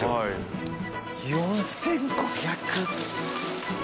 ４５００！？